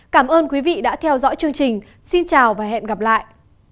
cảm ơn quý vị đã theo dõi chương trình xin chào và hẹn gặp lại